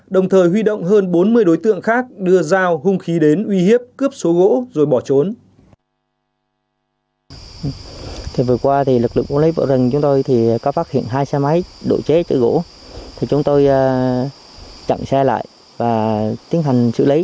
đồng thời huy động hơn bốn mươi đối tượng khác đưa dao hung khí đến uy hiếp cướp số gỗ rồi bỏ trốn